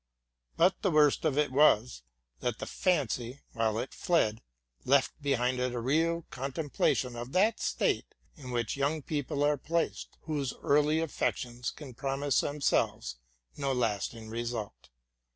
But the worst of it was, that the fancy, while it fled, left behind it a real contemplation of that state in which young people are placed, whose early affections can promise themselves no lasting result.